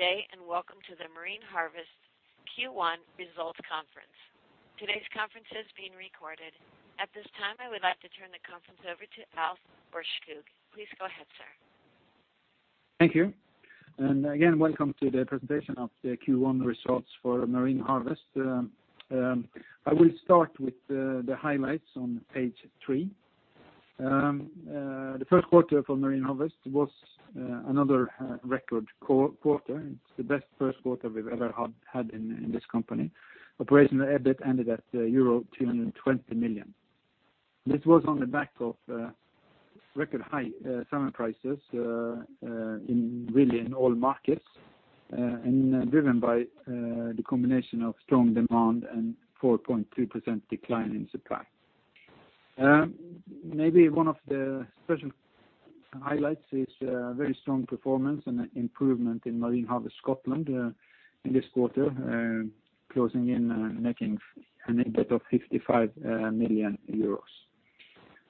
Good day welcome to the Marine Harvest Q1 Results Conference. Today's conference is being recorded. At this time, I would like to turn the conference over to Alf-Helge Aarskog. Please go ahead, sir. Thank you. Again, welcome to the presentation of the Q1 results for Marine Harvest. I will start with the highlights on page three. The first quarter from Marine Harvest was another record quarter. It's the best first quarter we've ever had in this company. Operational EBIT ended at euro 220 million. This was on the back of record high salmon prices really in all markets, driven by the combination of strong demand and 4.3% decline in supply. Maybe one of the special highlights is very strong performance and improvement in Marine Harvest Scotland in this quarter, closing in making an EBIT of 55 million euros.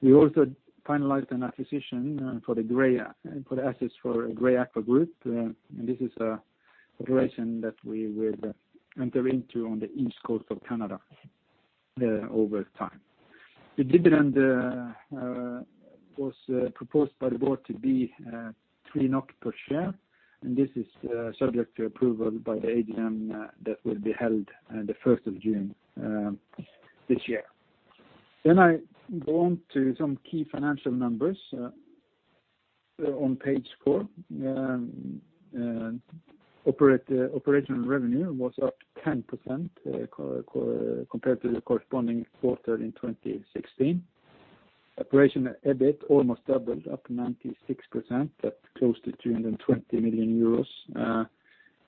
We also finalized an acquisition for the Gray Aqua Group, this is an operation that we will enter into on the East Coast of Canada over time. The dividend was proposed by the board to be 3 NOK per share. This is subject to approval by the AGM that will be held on the 1st of June this year. I go on to some key financial numbers on page four. Operational revenue was up 10% compared to the corresponding quarter in 2016. Operational EBIT almost doubled, up 96% at close to 220 million euros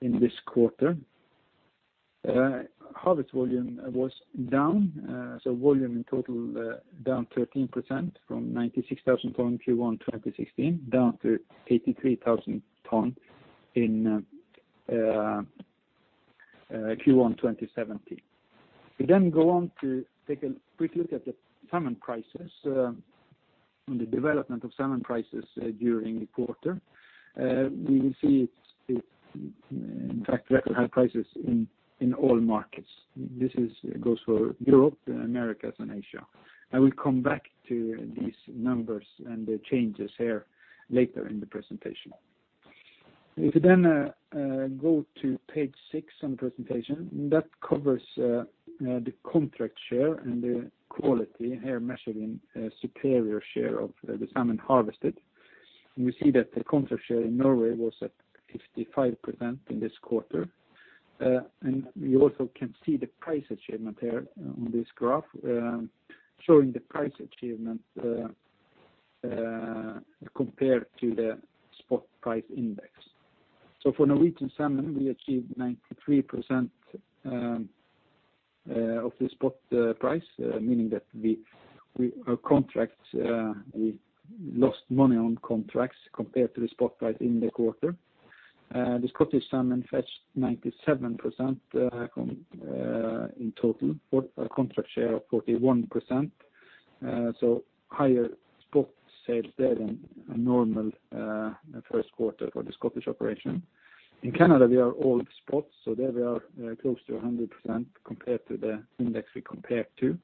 in this quarter. Harvest volume was down. Volume in total down 13% from 96,000 ton Q1 2016, down to 83,000 ton in Q1 2017. We go on to take a quick look at the salmon prices and the development of salmon prices during the quarter. We see it's in fact record high prices in all markets. This goes for Europe and Americas and Asia. I will come back to these numbers and the changes here later in the presentation. If you then go to page six on presentation, that covers the contract share and the quality, here measuring superior share of the salmon harvested. We see that the contract share in Norway was at 55% in this quarter. We also can see the price achievement here on this graph, showing the price achievement compared to the spot price index. For Norwegian salmon, we achieved 93% of the spot price, meaning that we lost money on contracts compared to the spot price in the quarter. The Scottish salmon fetched 97% in total, a contract share of 41%, so higher spot sales there than a normal first quarter for the Scottish operation. In Canada, they are all spot, so there we are close to 100% compared to the index we compared to.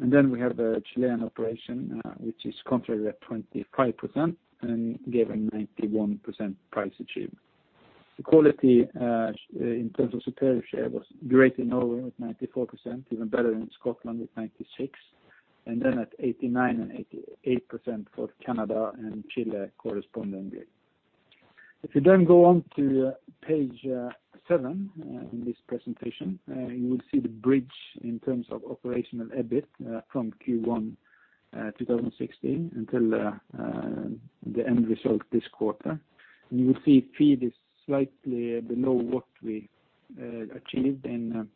Then we have the Chilean operation, which is contracted at 25% and giving 91% price achievement. The quality in terms of superior share was great in Norway at 94%, even better in Scotland at 96%, and then at 89% and 88% for Canada and Chile correspondingly. If you go on to page seven in this presentation, you will see the bridge in terms of operational EBIT from Q1 2016 until the end result this quarter. You will see feed is slightly below what we achieved in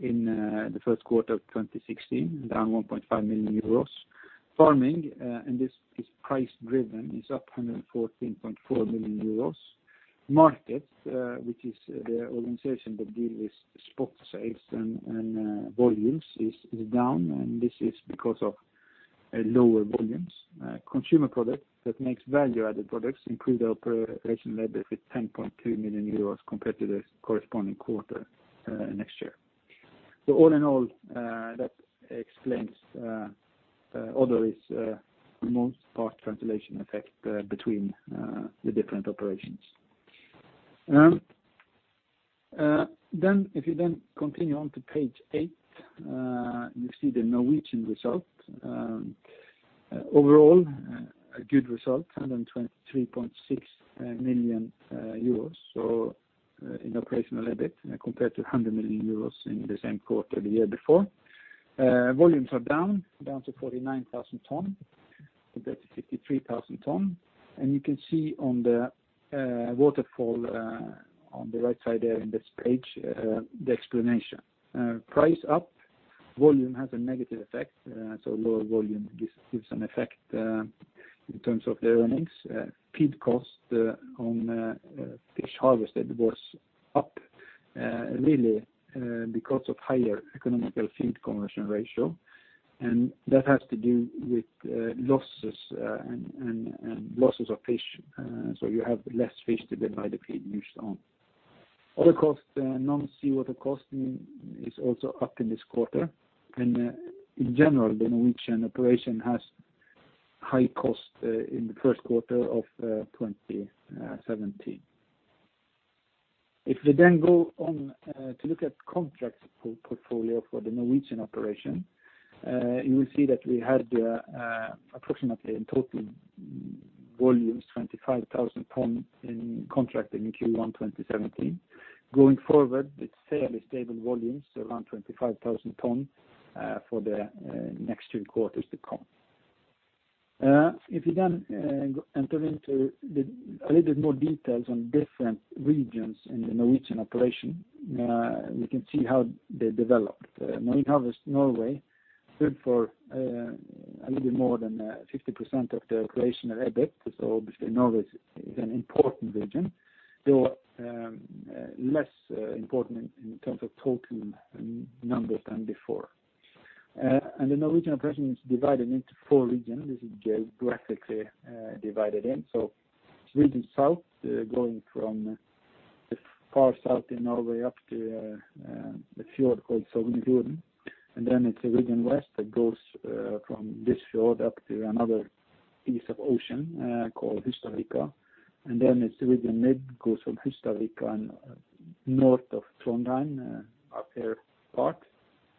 the first quarter of 2016, down 1.5 million euros. Farming, and this is price-driven, is up 114.4 million euros. Markets, which is the organization that deal with spot sales and volumes, is down, and this is because of lower volumes. Consumer products, that makes value-added products, increased operational EBIT 10.2 million euros compared to the corresponding quarter last year. All in all, that explains all those remote spot translation effect between the different operations. If you continue on to page eight, you see the Norwegian result. Overall, a good result, 123.6 million euros in operational EBIT compared to 100 million euros in the same quarter the year before. Volumes are down to 49,000 tons compared to 53,000 tons. You can see on the waterfall on the right side there on this page, the explanation. Price up, volume has a negative effect, lower volume gives an effect in terms of the earnings. Feed cost on fish harvest was up. Really because of higher economical feed conversion ratio, that has to do with losses of fish. You have less fish to divide the feed use on. Other costs, non-seawater cost is also up in this quarter and in general, the Norwegian operation has high cost in the first quarter of 2017. You go on to look at contracts portfolio for the Norwegian operation, you will see that we had approximately in total volumes 25,000 tons in contract in Q1 2017. Going forward with fairly stable volumes around 25,000 tons for the next two quarters to come. You enter into a little more details on different regions in the Norwegian operation, we can see how they developed. Marine Harvest Norway stood for a little more than 50% of the operational EBIT. Obviously Norway is an important region, though less important in terms of total numbers than before. The Norwegian operation is divided into four regions. This is geographically divided in. Region south, going from the far south in Norway up to a fjord called Sognefjorden. It's the region west that goes from this fjord up to another piece of ocean called Hustadvika. It is the region Mid, goes from Hustadvika north of Trondheim up there part.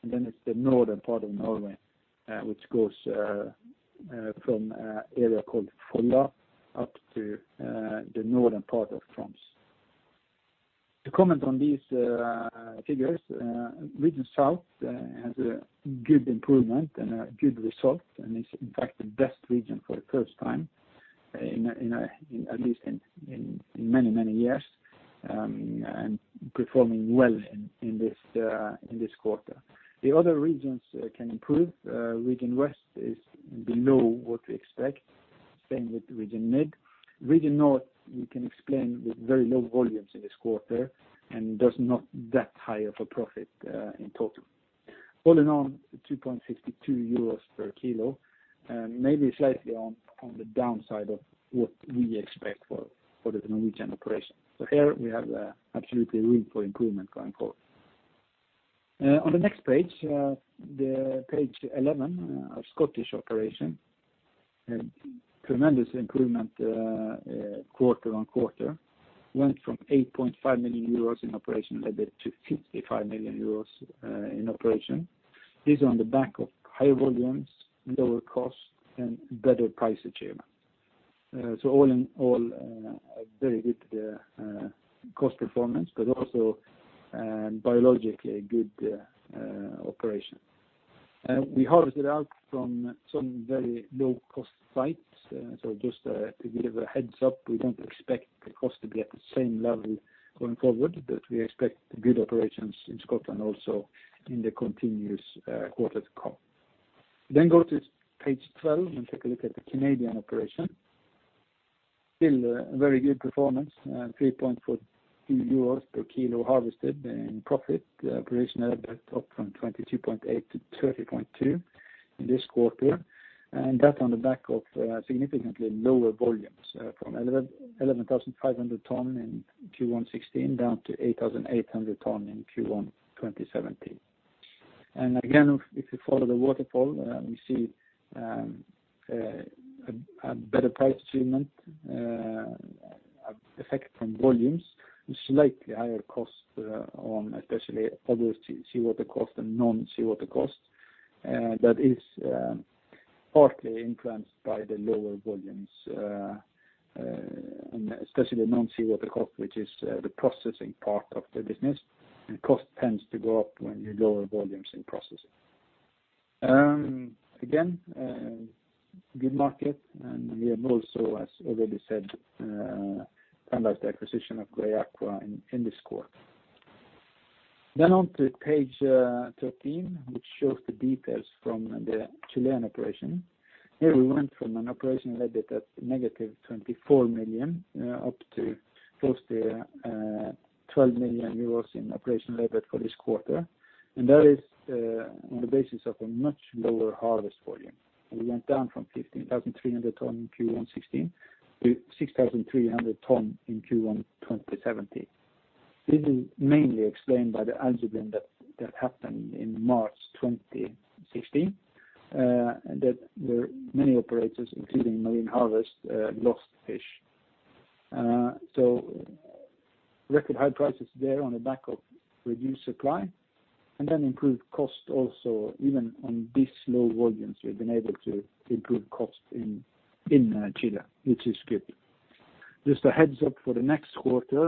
It is the northern part of Norway, which goes from area called Folda up to the northern part of Troms. To comment on these figures, Region South has a good improvement and a good result and is in fact the best region for the first time in at least many years, and performing well in this quarter. The other regions can improve. Region West is below what we expect. Same with Region Mid. Region North, we can explain with very low volumes in this quarter and thus not that high of a profit in total. All in all, 2.52 euros per kilo, maybe slightly on the downside of what we expect for the Norwegian operation. There we have absolutely room for improvement going forward. On the next page 11, our Scottish operation, tremendous improvement quarter-on-quarter. Went from 8.5 million euros in operational EBIT to 55 million euros in operation. This is on the back of high volumes, lower cost and better price achievement. All in all, a very good cost performance but also biologically a good operation. We harvested out from some very low-cost sites. Just to give a heads up, we don't expect the cost to be at the same level going forward, but we expect good operations in Scotland also in the continuous quarters to come. Go to page 12 and take a look at the Canadian operation. Still a very good performance, 3.42 euros per kilo harvested in profit. Operational EBIT up from 22.8-30.2 in this quarter. That on the back of significantly lower volumes from 11,500 tons in Q1 2016 down to 8,800 tons in Q1 2017. Again, if you follow the waterfall, we see a better price achievement, effect from volumes, slightly higher cost on especially other seawater cost and non-seawater cost. That is partly influenced by the lower volumes, especially the non-seawater cost, which is the processing part of the business. The cost tends to go up when you lower volumes in processing. Again, good market. We have also, as already said, finalized the acquisition of Gray Aqua in this quarter. On to page 13, which shows the details from the Chilean operation. Here we went from an operational EBIT of negative 24 million up to close to 12 million euros in operational EBIT for this quarter. That is on the basis of a much lower harvest volume. We went down from 15,300 tons in Q1 2016 to 6,300 tons in Q1 2017. This is mainly explained by the algae bloom that happened in March 2016, that many operators, including Marine Harvest, lost fish. Record high prices there on the back of reduced supply and then improved cost also, even on this low volumes, we've been able to improve cost in Chile, which is good. Just a heads up for the next quarter,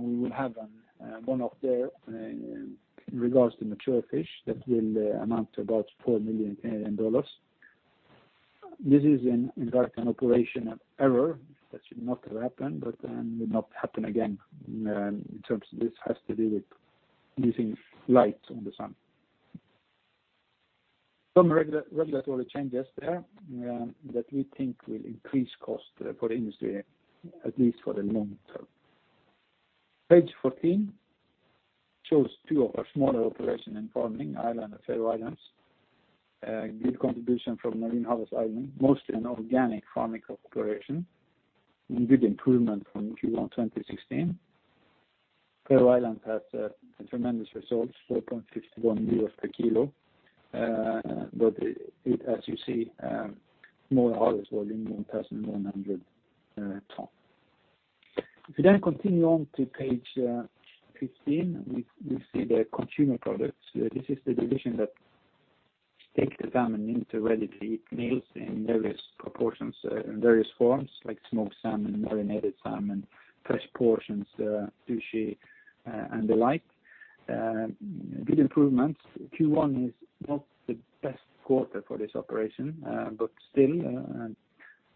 we will have a one-off there in regards to mature fish that will amount to about $4 million. This is in fact an operational error that should not have happened but will not happen again. In terms of this has to do with using lights, some regulatory changes there that we think will increase cost for industry, at least for the long term. Page 14 shows two of our smaller operations in farming, Ireland and Faroe Islands. Good contribution from Marine Harvest Ireland, mostly an organic farming operation, and good improvement from Q1 2016. Faroe Islands has tremendous results, 4.51 euros per kilo. As you see, Marine Harvest volume 1,100 tons. If we continue on to page 15, we see the consumer products. This is the division that takes the salmon into ready-to-eat meals in various proportions, in various forms, like smoked salmon, marinated salmon, fresh portions, sushi, and the like. Good improvements. Q1 is not the best quarter for this operation. Still,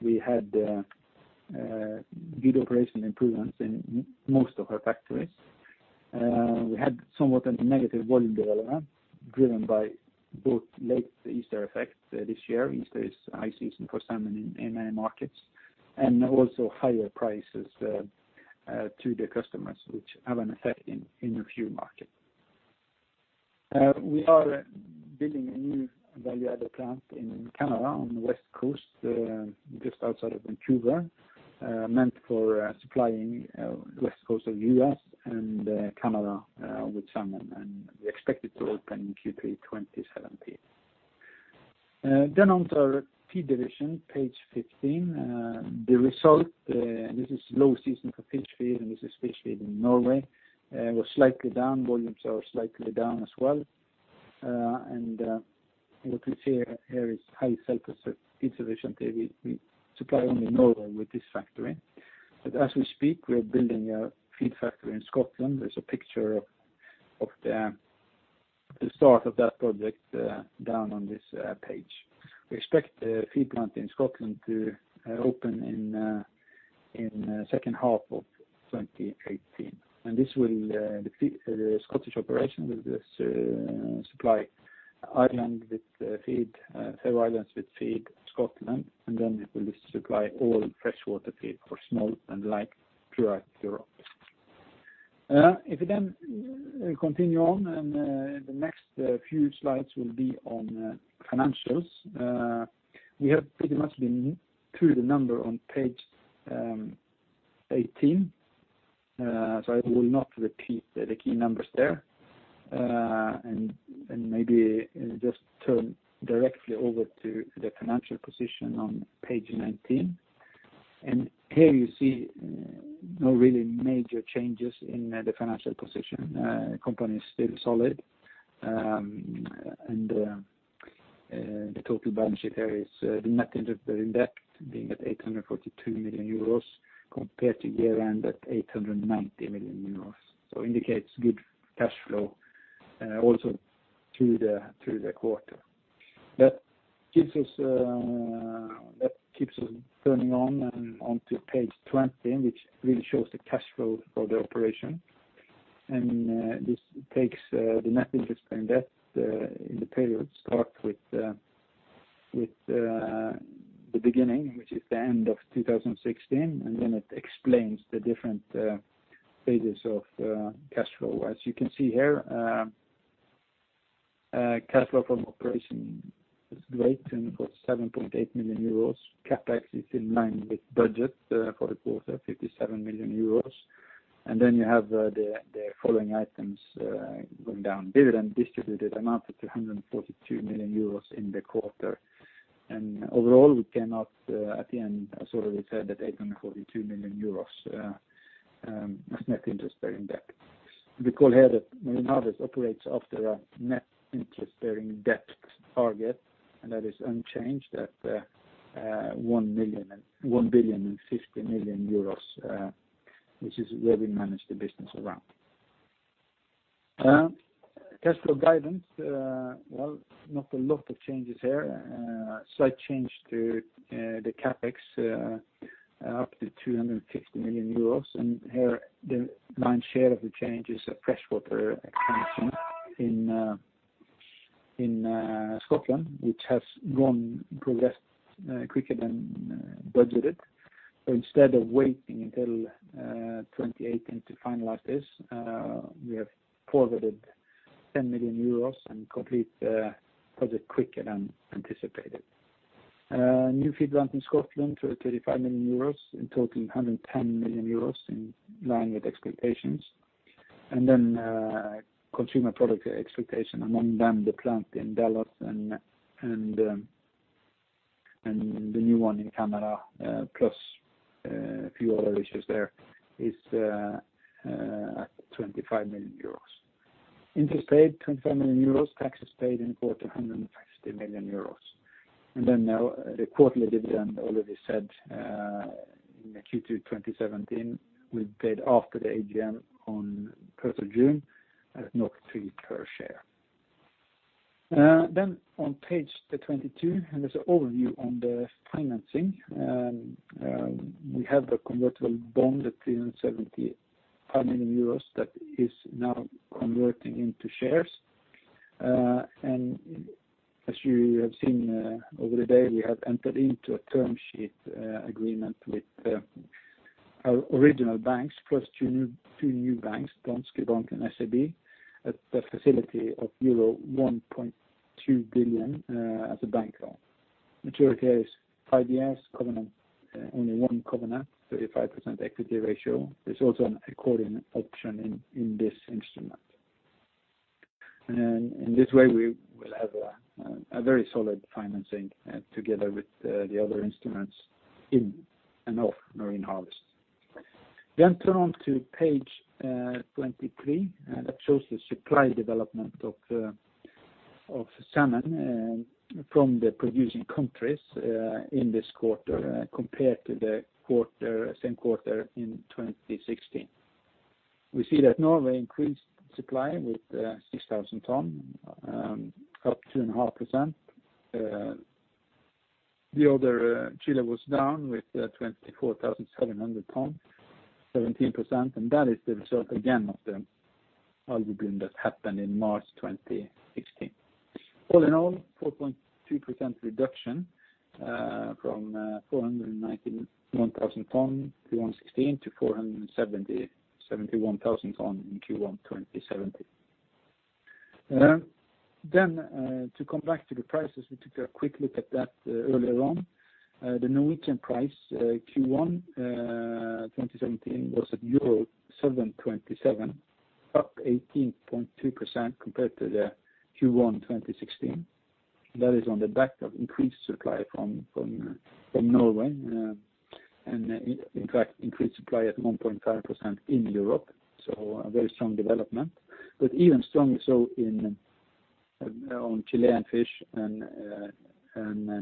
we had good operation improvements in most of our factories. We had somewhat of a negative volume development driven by both late Easter effects this year. Easter is high season for salmon in many markets. Also higher prices to the customers, which have an effect in the UK market. We are building a new value-added plant in Canada on the west coast, just outside of Vancouver, meant for supplying west coast of U.S. and Canada with salmon, we expect it to open in Q3 2017. On to our feed division, page 15. The result, this is low season for fish feed, this is especially in Norway, was slightly down. Volumes are slightly down as well. You could see here is high cycle feed division. We supply only Norway with this factory. As we speak, we're building a feed factory in Scotland. There's a picture of the start of that project down on this page. We expect the feed plant in Scotland to open in the second half of 2018. The Marine Harvest Scotland operation will supply Marine Harvest Ireland with feed, Faroe Islands with feed, Scotland, then it will supply all freshwater feed for smolt and like throughout Europe. The next few slides will be on financials. We have pretty much been through the number on page 18. I will not repeat the key numbers there, just turn directly over to the financial position on page 19. Here you see no really major changes in the financial position. Company is still solid. The total budget here is the net interest-bearing debt being at 842 million euros compared to year-end at 890 million euros. Indicates good cash flow also through the quarter. That keeps us turning on to page 20, which really shows the cash flow for the operation. This takes the net interest-bearing debt in the period start with the beginning, which is the end of 2016, then it explains the different phases of cash flow. As you can see here, cash flow from operation is great and about 7.8 million euros. CapEx is in line with budget for the quarter, 57 million euros. You have the following items going down. Dividend distributed amount of 342 million euros in the quarter. Overall, we came up at the end, as already said, at 842 million euros as net interest-bearing debt. Because Marine Harvest operates after a net interest-bearing debt target, that is unchanged at 1,050 million euros, which is where we manage the business around. Cash flow guidance. Well, not a lot of changes here. Slight change to the CapEx up to 250 million euros. Here, the lion's share of the changes are freshwater connections in Scotland, which has progressed quicker than budgeted. Instead of waiting until 2018 to finalize this, we have forwarded 10 million euros and complete the project quicker than anticipated. New feed plant in Scotland, at 35 million euros, in total, 110 million euros in line with expectations. Consumer product expectation, among them the plant in Dallas and the new one in Canada, plus a few other issues there is 25 million euros. Interest paid, 25 million euros. Taxes paid in quarter, 150 million euros. The quarterly dividend already said in the Q2 2017 will be paid after the AGM on 1st of June at 3 per share. On page 22, there's an overview on the financing. We have the convertible bond at 370 million. How many euros that is now converting into shares. As you have seen over the day, we have entered into a term sheet agreement with our original banks plus two new banks, DNB Bank and SEB, at the facility of euro 1.2 billion as a bank loan, which occurs NIBD covenant, only one covenant, 35% equity ratio. There's also a call option in this instrument. In this way we will have a very solid financing together with the other instruments in and of Marine Harvest. Turn on to page 23 that shows the supply development of salmon from the producing countries in this quarter compared to the same quarter in 2016. We see that Norway increased supply with 6,000 tons, up 2.5%. The other, Chile, was down with 24,700 tons, 17%, and that is the result again of the algae bloom that happened in March 2016. All in all, 4.2% reduction from 491,000 tons in 2016 to 471,000 tons in Q1 2017. To come back to the prices, we took a quick look at that earlier on. The Norwegian price Q1 2017 was at euro 7.27, up 18.2% compared to the Q1 2016. That is on the back of increased supply from Norway and in fact increased supply at 1.5% in Europe. Even strongly so on Chilean fish and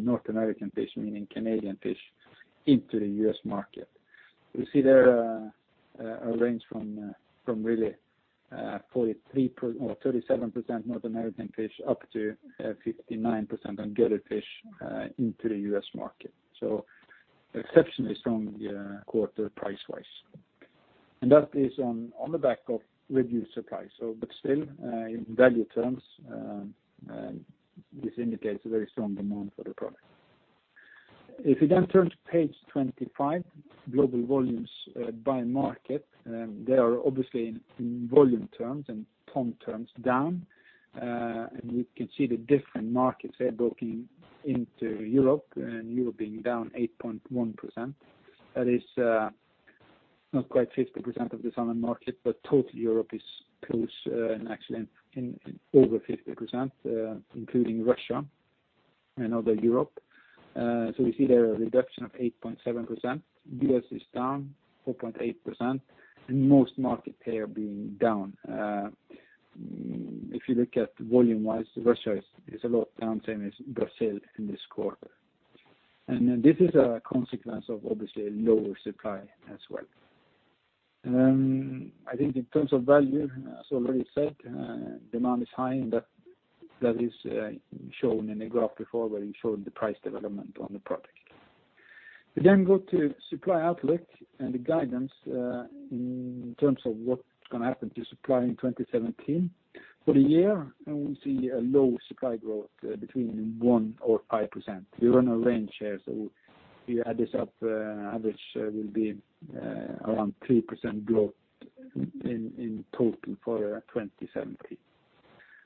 North American fish, meaning Canadian fish, into the U.S. market. We see there a range from really 37% North American fish up to 59% on Chilean fish into the U.S. market. Exceptionally strong quarter price-wise. That is on the back of reduced supply. Still, in value terms, this indicates a very strong demand for the product. If you then turn to page 25, global volumes by market. They are obviously in volume terms and ton terms down. You can see the different markets there both into Europe and Europe being down 8.1%. That is not quite 50% of the salmon market, but total Europe is close and actually over 50%, including Russia and other Europe. We see there a reduction of 8.7%. U.S. is down 4.8% and most markets here being down. If you look at volume-wise, Russia is a lot down in this quarter. This is a consequence of obviously lower supply as well. I think in terms of value, as already said, demand is high and that is shown in the graph before where we showed the price development on the product. We go to supply outlook and the guidance in terms of what's going to happen to supply in 2017. For the year, we see a low supply growth between 1% or 5%. We run a range here, so if you add this up, average will be around 3% growth in total for 2017.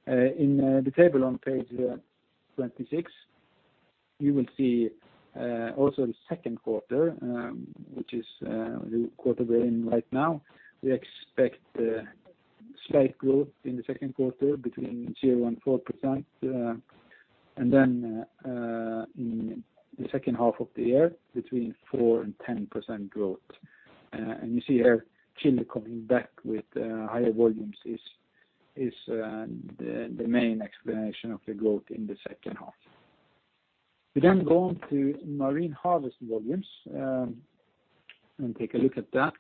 In the table on page 26, you will see also the second quarter which is the quarter we're in right now. We expect slight growth in the second quarter between 0% and 4% then in the second half of the year between 4% and 10% growth. You see here Chile coming back with higher volumes is the main explanation of the growth in the second half. We go on to Marine Harvest volumes and take a look at that.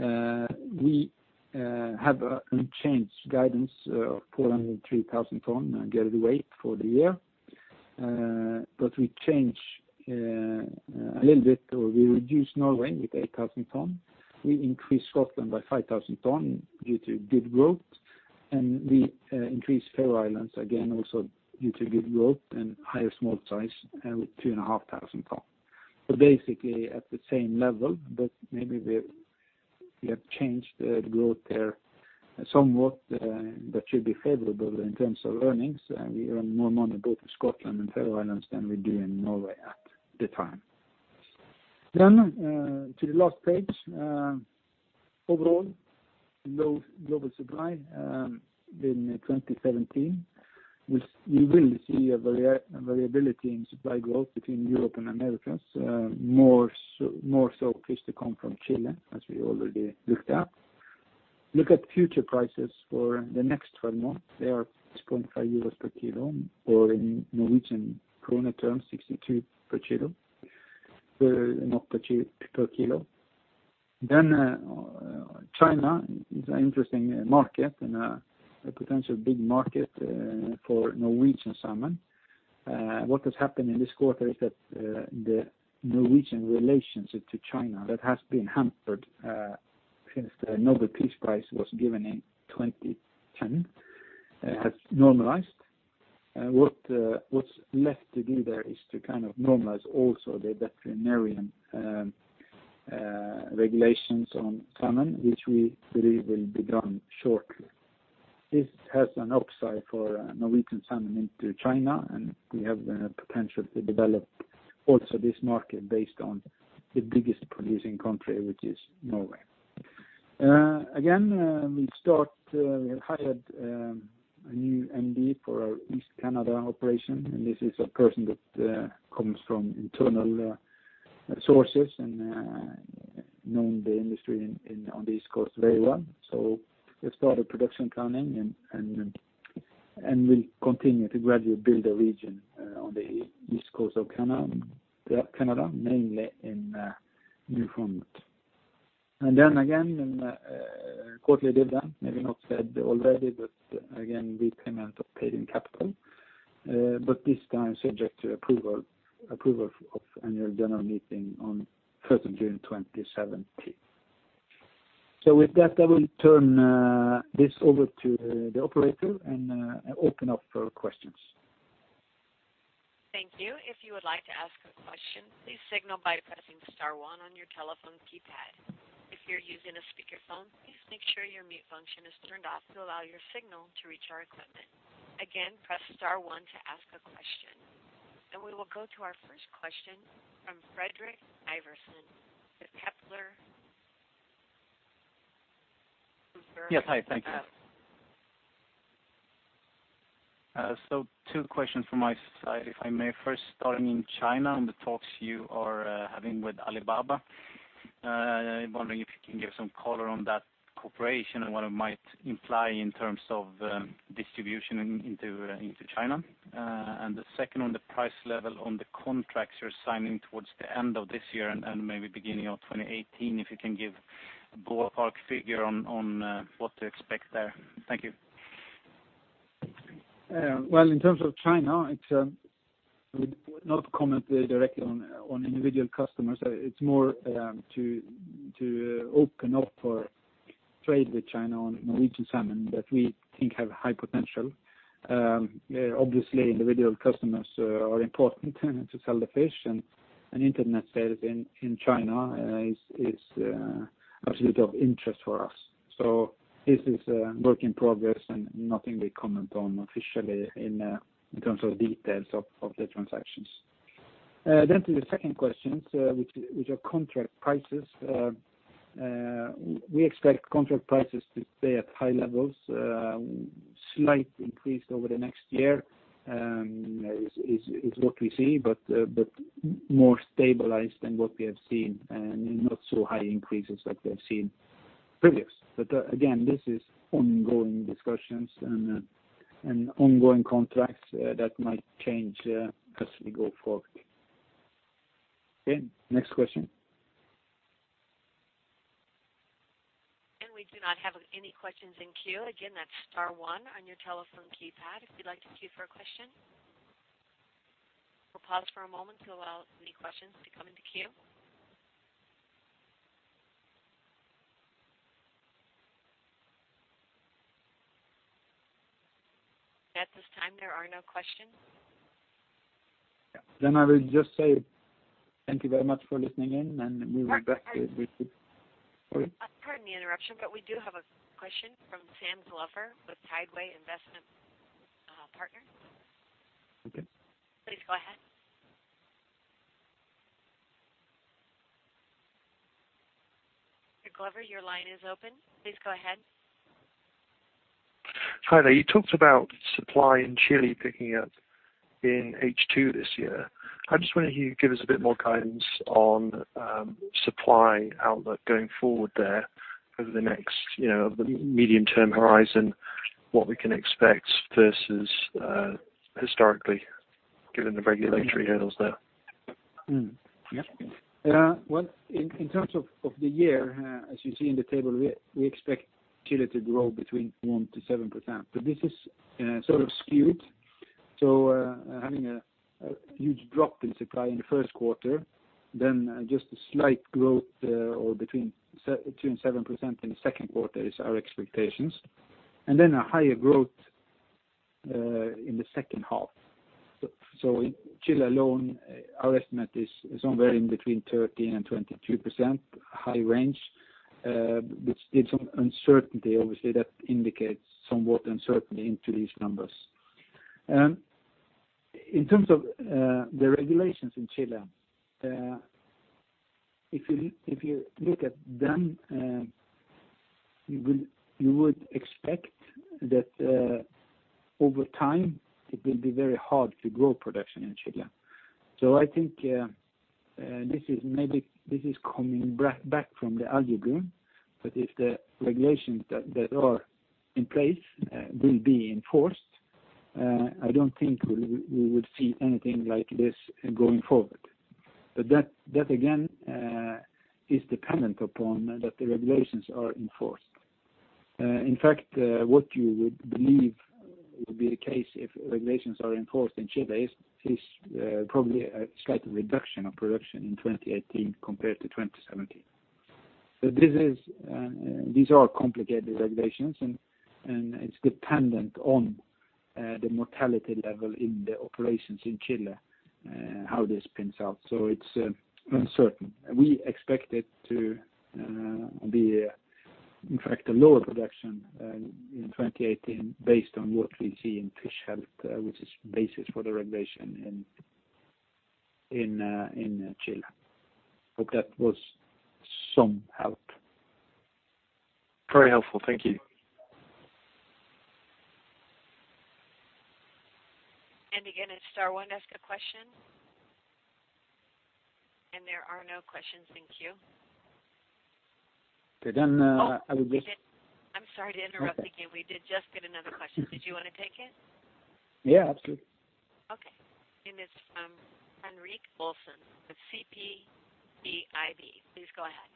We have unchanged guidance of 403,000 ton on gutted weight for the year. We change a little bit or we reduce Norway with 8,000 ton. We increase Marine Harvest Scotland by 5,000 tons due to good growth and we increase Faroe Islands again also due to good growth and higher smolt size with 2,500 tons. Basically at the same level but maybe we have changed the growth there somewhat that should be favorable in terms of earnings and we earn more on the growth of Marine Harvest Scotland and Faroe Islands than we do in Marine Harvest Norway at the time. To the last page. Overall, low global supply in 2017. You will see a variability in supply growth between Europe and Americas. More so fish to come from Chile as we already looked at. Look at future prices for the next 12 months. They are 6.5 euros per kilo or in NOK terms, 62 Norwegian krone per kilo. China is an interesting market and a potential big market for Norwegian salmon. What has happened in this quarter is that the Norwegian relationship to China that has been hampered since the Nobel Peace Prize was given in 2010, has normalized. What's left to do there is to normalize also the veterinarian regulations on salmon, which we believe will be done shortly. This has an upside for Norwegian salmon into China, and we have the potential to develop also this market based on the biggest producing country, which is Norway. Again, we hired a new MD for our East Canada operation, and this is a person that comes from internal sources and known the industry on the East Coast very well. We've started production planning, and we'll continue to gradually build a region on the East Coast of Canada, mainly in Newfoundland. Again, quarterly dividend, maybe not said already, but again, big payment of paid-in capital, but this time subject to approval of an Annual General Meeting on 1st of June 2017. With that, I will turn this over to the operator and open up for questions. Thank you. If you would like to ask a question, please signal by pressing star one on your telephone keypad. If you're using a speakerphone, please make sure your mute function is turned off to allow your signal to reach our equipment. Again, press star one to ask a question. We will go to our first question from Fredrik Ivarsson, the Kepler Cheuvreux. Yes. Hi thanks. Two questions from my side, if I may first. Starting in China and the talks you are having with Alibaba. Wondering if you can give some color on that cooperation and what it might imply in terms of distribution into China. The second on the price level on the contracts you're signing towards the end of this year and maybe beginning of 2018, if you can give a ballpark figure on what to expect there. Thank you. Well, in terms of China, I would not comment directly on individual customers. It is more to open up for trade with China on Norwegian salmon that we think have high potential. Obviously, individual customers are important to sell the fish and internet sales in China is absolutely of interest for us. This is a work in progress and nothing we comment on officially in terms of details of the transactions. to the second question, which are contract prices. We expect contract prices to stay at high levels. Slight increase over the next year is what we see, but more stabilized than what we have seen and not so high increases like we have seen previous. again, this is ongoing discussions and ongoing contracts that might change as we go forward. Okay next question. We do not have any questions in queue. Again, that's star one on your telephone keypad if you'd like to queue for a question. We'll pause for a moment to allow any questions to come into queue. At this time, there are no questions. I will just say thank you very much for listening in. Pardon the interruption, but we do have a question from Sam Glover with Tideway Investment Partner. Okay. Please go ahead. Sam Glover your line is open. Please go ahead. Hi there. You talked about supply in Chile picking up in H2 this year. I just wonder if you could give us a bit more guidance on supply outlook going forward there over the medium-term horizon, what we can expect versus historically, given the regulatory hurdles there. In terms of the year, as you see in the table, we expect Chile to grow between 1%-7%. This is sort of skewed. Having a huge drop in supply in the first quarter, then just a slight growth or between 7% in the second quarter is our expectations. A higher growth in the second half. Chile alone, our estimate is somewhere in between 13% and 23% high range, which gives some uncertainty, obviously, that indicates somewhat uncertainty into these numbers. In terms of the regulations in Chile, if you look at them, you would expect that over time it will be very hard to grow production in Chile. I think this is coming back from the algal bloom if the regulations that are in place will be enforced, I don't think we would see anything like this going forward. That, again, is dependent upon that the regulations are enforced. In fact, what you would believe would be the case if regulations are enforced in Chile is probably a slight reduction of production in 2018 compared to 2017. These are complicated regulations, and it's dependent on the mortality level in the operations in Chile, how this pans out. It's uncertain. We expect it to be, in fact, a lower production in 2018 based on what we see in fish health, which is the basis for the regulation in Chile. Hope that was some help. Very helpful. Thank you. Again hit star one to ask a question. There are no questions in queue. Okay then. Oh, I'm sorry to interrupt again. We did just get another question. Did you want to take it? Yeah absolutely. Okay. It's Henrik Olsen with NBIM. Please go ahead.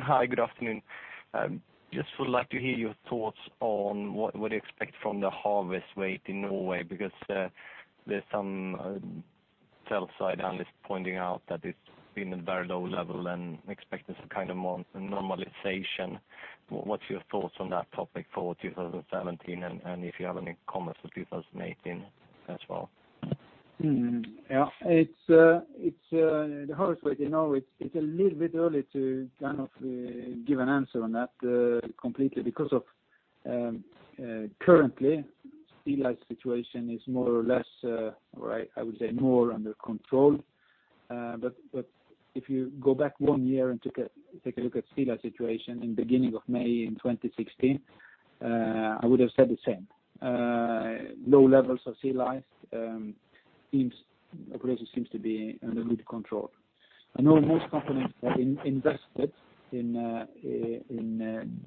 Hi good afternoon. Just would like to hear your thoughts on what you expect from the harvest weight in Norway, because there's some sell side analysts pointing out that it's been a very low level and expecting some kind of normalization. What's your thoughts on that topic for 2017, and if you have any comments for 2018 as well? Yeah. It's the harvest weight in Norway. It's a little bit early to give an answer on that completely because of currently sea lice situation is more or less, or I would say more under control. If you go back 1 year and take a look at sea lice situation in beginning of May in 2016, I would've said the same. Low levels of sea lice, operations seems to be under good control. All those companies have invested in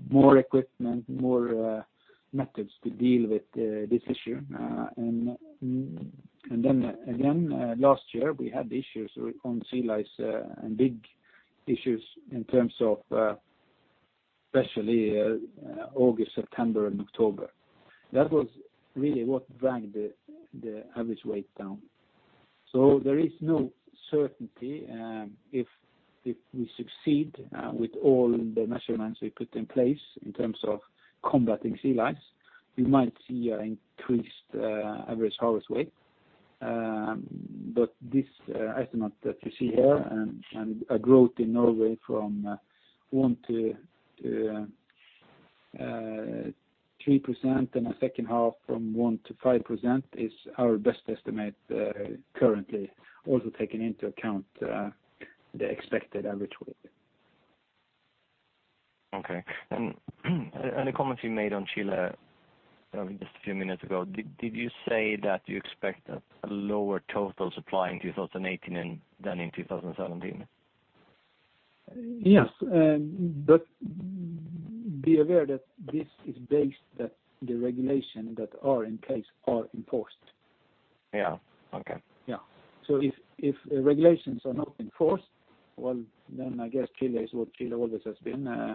more equipment, more methods to deal with this issue. Then again, last year, we had the issues on sea lice, and big issues in terms of especially August, September, and October. That was really what dragged the harvest weight down. There is no certainty if we succeed with all the measurements we put in place in terms of combating sea lice. We might see an increased average harvest weight. This estimate that you see here and a growth in Norway from 1%-3% in the second half from 1%-5% is our best estimate currently, also taking into account the expected average weight. Okay. A comment you made on Chile just a few minutes ago. Did you say that you expect a lower total supply in 2018 than in 2017? Yes. Be aware that this is based that the regulation that are in place are enforced. Yeah. Okay. Yeah. If the regulations are not enforced, well, then I guess Chile is what Chile always has been,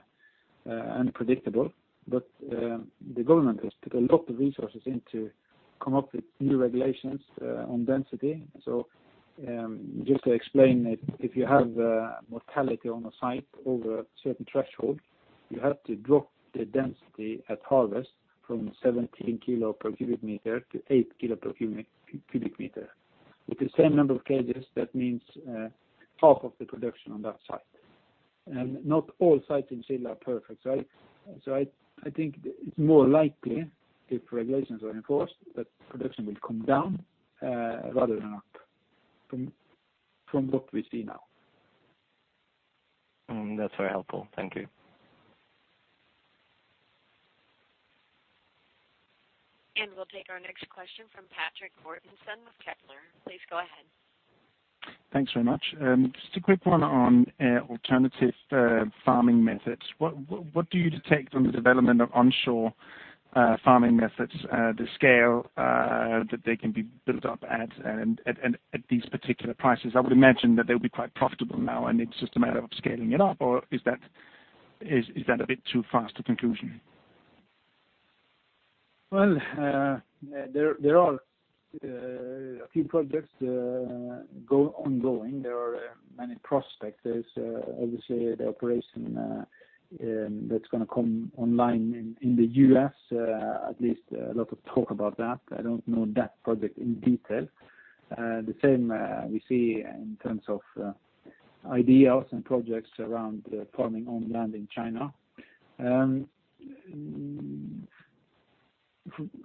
unpredictable. The government has put a lot of resources in to come up with new regulations on density. Just to explain it, if you have mortality on a site over a certain threshold, you have to drop the density at harvest from 17 kg per cu m to 8 kg per cu m. With the same number of cages, that means half of the production on that site. Not all sites in Chile are perfect, right? I think it's more likely if regulations are enforced, that production will come down rather than up from what we see now. That's very helpful. Thank you. We'll take our next question from Patrick Mortensen with Kepler. Please go ahead. Thanks very much. Just a quick one on alternative farming methods. What do you detect from the development of onshore farming methods, the scale that they can be built up at these particular prices? I would imagine that they'll be quite profitable now and it's just a matter of scaling it up, or is that a bit too fast a conclusion? Well, there are a few projects ongoing. There are many prospects. There's obviously the operation that's going to come online in the U.S. At least a lot of talk about that. I don't know that project in detail. The same we see in terms of ideas and projects around farming on land in China.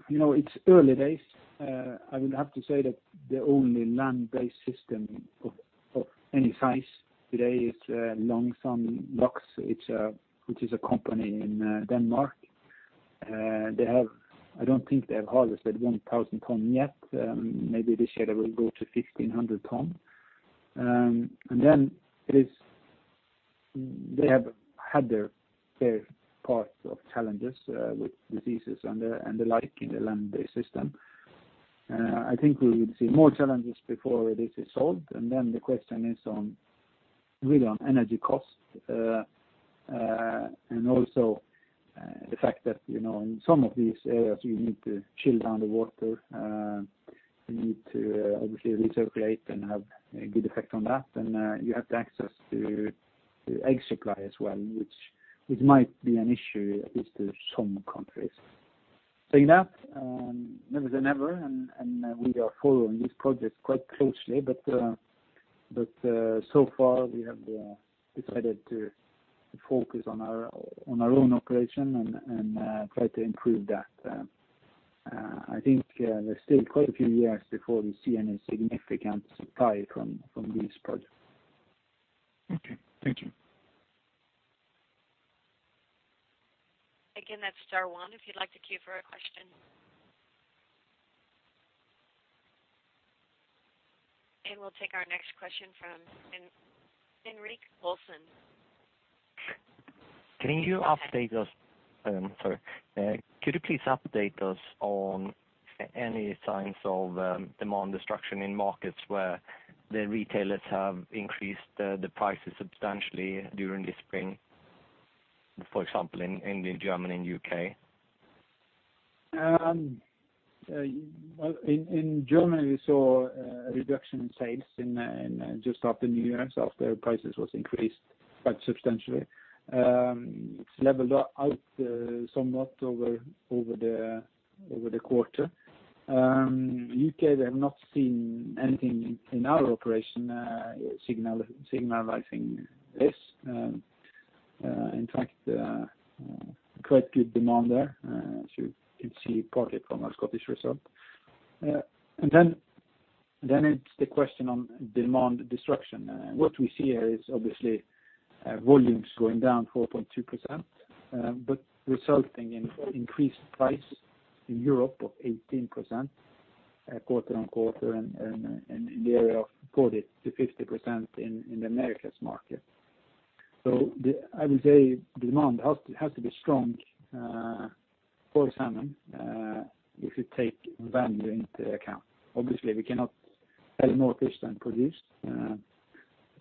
It's early days. I would have to say that the only land-based system of any size today is Langsand Laks, which is a company in Denmark. I don't think they have harvested 1,000 tons yet. Maybe this year they will go to 1,500 tons. Then they have had their fair part of challenges with diseases and the like in the land-based system. I think we will see more challenges before this is solved, then the question is really on energy cost. Also the fact that in some of these areas, you need to chill down the water, you need to obviously refrigerate and have a good effect on that. You have to access the egg supply as well, which might be an issue, at least to some countries. Saying that, more than ever, we are following these projects quite closely, so far we have decided to focus on our own operation and try to improve that. I think there's still quite a few years before we see any significant supply from these projects. Okay. Thank you. Again, that's star one if you'd like to queue for a question. We'll take our next question from Henrik Olsen. Can you please update us on any signs of demand destruction in markets where the retailers have increased the prices substantially during the spring? For example in England, Germany, and U.K. In Germany, we saw a reduction in sales just after New Year's, after prices was increased quite substantially. It's leveled out somewhat over the quarter. U.K., we have not seen anything in our operation signalizing this. In fact, quite good demand there, as you can see partly from our Scottish result. It's the question of demand destruction. What we see is obviously volumes going down 4.2%, but resulting in increased price in Europe of 18% quarter-on-quarter and in the area of 40%-50% in the Americas market. I would say demand has to be strong for salmon if you take volume into account. Obviously, we cannot sell more fish than produced, as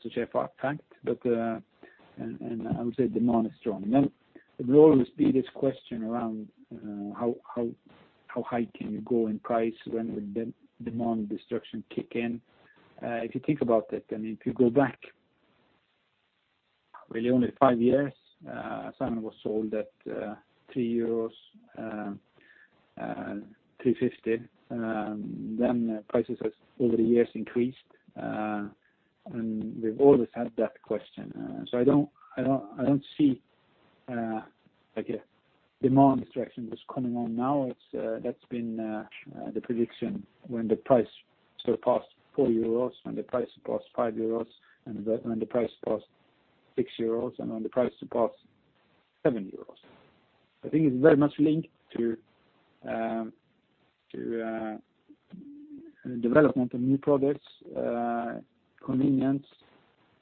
a chef once said. I would say demand is strong. There will always be this question around how high can you go in price? When will demand destruction kick in? If you think about it, if you go back really only five years, salmon was sold at 3 euros, 3.50. The prices has over the years increased. We've always had that question. I don't see a demand destruction that's coming on now. That's been the prediction when the price surpassed 4 euros, when the price surpassed 5 euros, and when the price surpassed 6 euros, and when the price surpassed 7 euros. I think it's very much linked to the development of new products, convenience,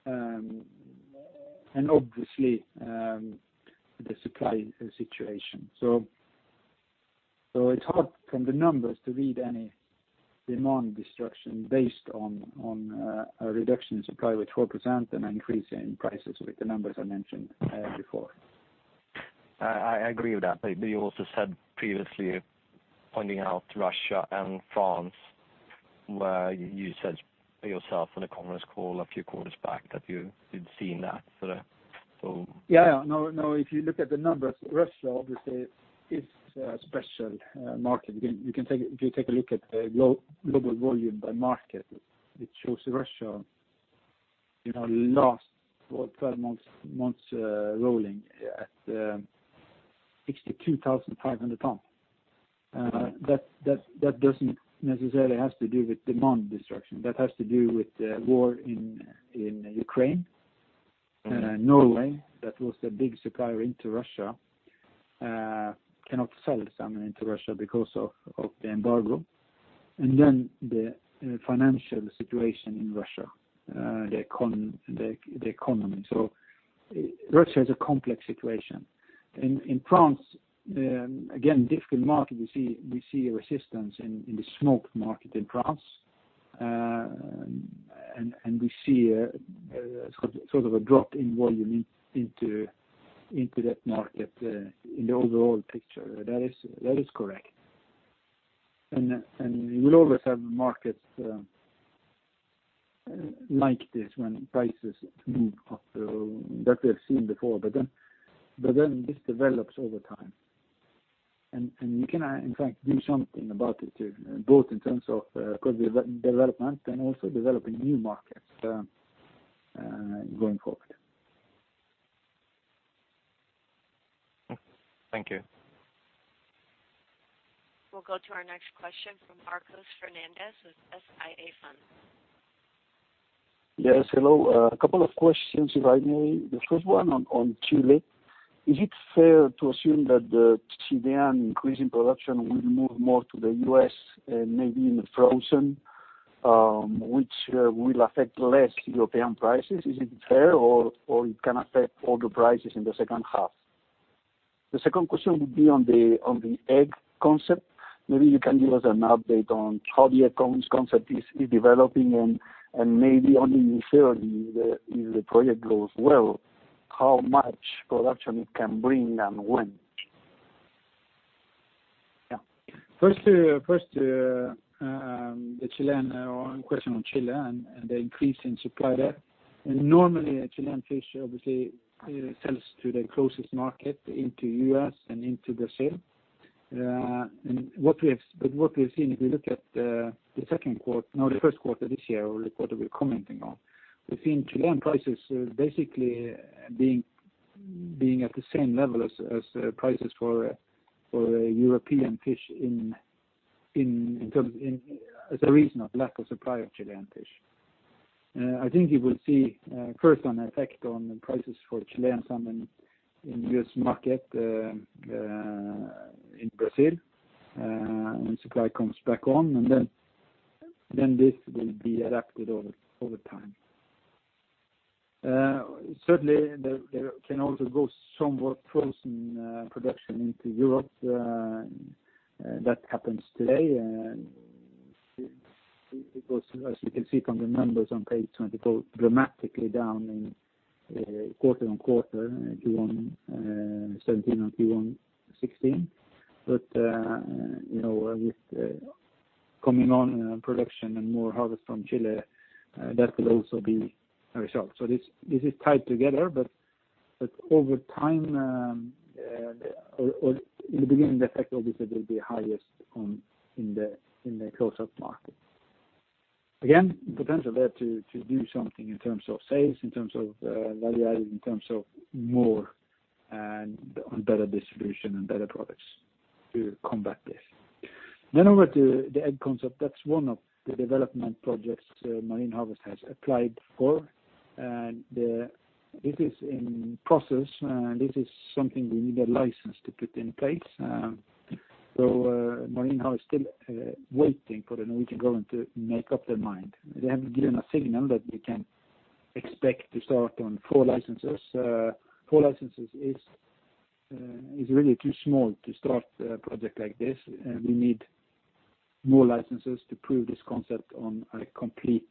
and obviously, the supply situation. It's hard from the numbers to read any demand destruction based on a reduction in supply of 12% and increase in prices with the numbers I mentioned before. I agree with that, but you also said previously, pointing out Russia and France, where you said yourself on a conference call a few quarters back that you had seen that. Yeah. No, if you look at the numbers, Russia obviously is a special market. If you take a look at global volume by market, it shows Russia in our last 12 months rolling at 62,500 tons. That doesn't necessarily have to do with demand destruction. That has to do with the war in Ukraine. Norway, that was a big supplier into Russia, cannot sell salmon into Russia because of the embargo, the financial situation in Russia, the economy. Russia is a complex situation. In France, again, different market. We see a resistance in the smoked market in France, and we see sort of a drop in volume into that market in the overall picture. That is correct. We always have markets like this when prices move up that we've seen before, but then this develops over time, and we can, in fact, do something about it too, both in terms of product development and also developing new markets going forward. Thank you. We'll go to our next question from Marcos Hernández with SIA Funds. Yes. Hello. A couple of questions if I may. The first one on Chile. Is it fair to assume that the Chilean increase in production will move more to the U.S. and maybe in the frozen, which will affect less European prices? Is it fair, or it can affect all the prices in the second half? The second question would be on the egg concept. Maybe you can give us an update on how the egg concept is developing and maybe only in theory, if the project goes well, how much production it can bring and when? Yeah. First, the question on Chile and the increase in supply there. Normally Chilean fish obviously sells to the closest market into U.S. and into Brazil. What we have seen if we look at the second quarter, no, the first quarter of this year or the quarter we're commenting on, we're seeing Chilean prices basically being at the same level as prices for European fish in terms of the recent lack of supply of Chilean fish. I think you will see first an effect on prices for Chilean salmon in U.S. market, in Brazil, when supply comes back on, and then this will be adapted over time. Certainly, there can also go somewhat frozen production into Europe, and that happens today. As you can see from the numbers on page 20, it goes dramatically down in quarter on quarter in Q1 2017 and Q1 2016. With coming on production and more harvest from Chile, that will also be very sharp. This is tied together, but in the beginning, the effect obviously will be highest in the closer markets. Again, potential there to do something in terms of sales, in terms of value add, in terms of more and better distribution and better products to combat this. Over to the Egg concept. That's one of the development projects Marine Harvest has applied for, and this is in process, and this is something we need a license to put in place. Marine Harvest is still waiting for the Norwegian government to make up their mind. They haven't given a signal that we can expect to start on four licenses. Four licenses is really too small to start a project like this. We need more licenses to prove this concept on a complete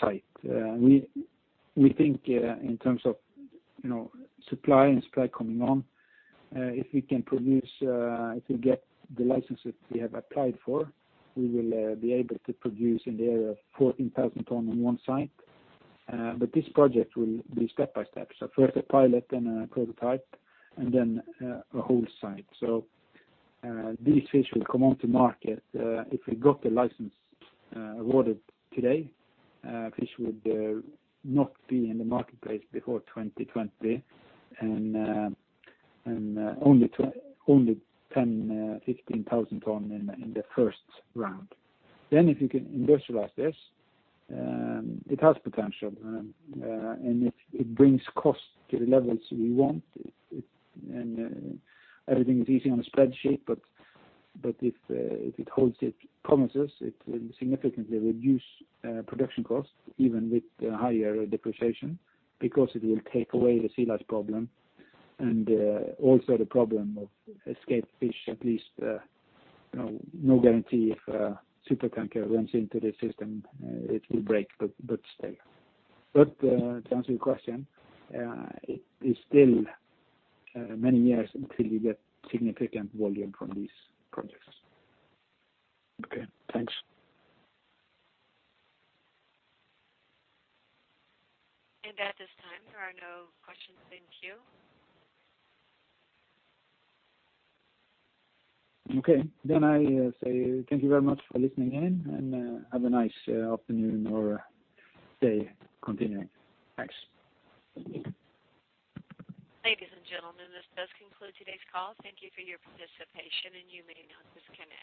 site. We think in terms of supply and scale coming on if we can produce, if we get the licenses we have applied for, we will be able to produce in the area of 14,000 tons on one site. This project will be step by step. First a pilot, then a prototype, and then a whole site. These fish will come onto market. If we got the license awarded today fish would not be in the marketplace before 2020, and only 10,000-15,000 tons in the 1st round. If you can industrialize this, it has potential, and if it brings cost to the levels we want. Everything is easy on a spreadsheet, but if it holds its promises, it will significantly reduce production cost, even with the higher depreciation, because it will take away the sea lice problem and also the problem of escaped fish. At least, no guarantee if a supertanker runs into the system it will break, but still. To answer your question it is still many years until you get significant volume from these projects. Okay thanks. At this time, there are no questions in queue. Okay. I say thank you very much for listening in, and have a nice afternoon or day continuing. Thanks. Ladies and gentlemen, this does conclude today's call. Thank you for your participation, you may disconnect.